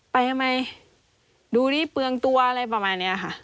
ไปทำไมดูดิเปลืองตัวอะไรประมาณนี้ค่ะ